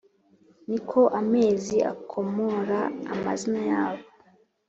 Ni ko amezi akomoraho amazina yayo,